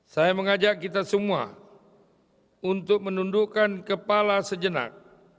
saya mengajak kita semua untuk menundukkan kepala sejenak